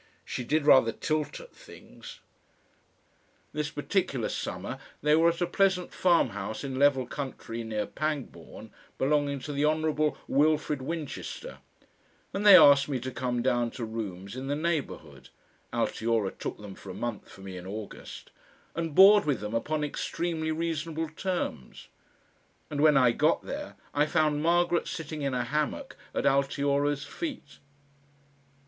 She did rather tilt at things. This particular summer they were at a pleasant farmhouse in level country near Pangbourne, belonging to the Hon. Wilfrid Winchester, and they asked me to come down to rooms in the neighbourhood Altiora took them for a month for me in August and board with them upon extremely reasonable terms; and when I got there I found Margaret sitting in a hammock at Altiora's feet.